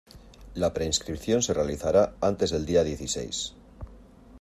La preinscripción se realizará antes del día dieciséis.